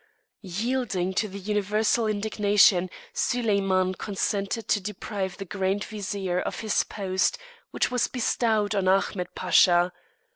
Yielding to the universal indignation, Soliman consented to deprive the Grand Vizier of his post, which was bestowed on Ahmed Pacha.